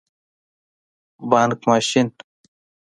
🏧 بانګ ماشین